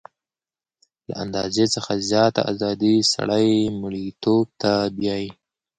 له اندازې څخه زیاته ازادي سړی مرییتوب ته بیايي.